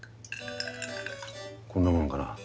こんなもんかな。